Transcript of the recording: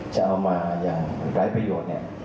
จะเอามาอย่างไร้ประโยชน์